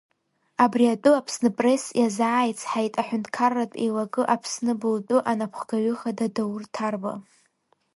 Абри атәы Аԥсныпресс иазааицҳаит Аҳәынҭқарратә еилакы Аԥсныбылтәы анаԥхгаҩы хада Даур Ҭарба.